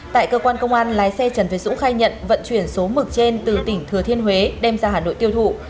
tại cơ quan công an lái xe trần việt dũng khai nhận vận chuyển số mực trên từ tỉnh thừa thiên huế đem ra hà nội tiêu thụ